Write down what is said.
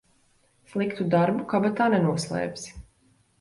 Sliktu darbu kabatā nenoslēpsi.